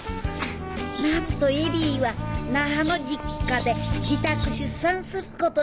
なんと恵里は那覇の実家で自宅出産することにしたのです